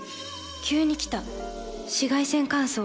急に来た紫外線乾燥。